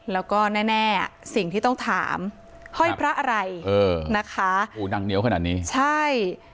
แล้วก็แน่สิ่งที่ต้องถามห้อยพระอะไรเออนะคะโหดังเหนียวขนาดนี้ใช่